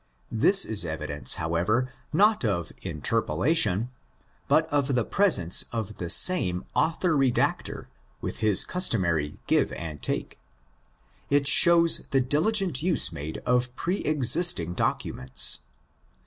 This is evidence, however, not of interpolation, but of the presence of the same '" author redactor'' with his customary '' sive and take." It shows the diligent use made of pre existing documents.